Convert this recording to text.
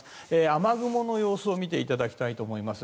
雨雲の様子を見ていただきたいと思います。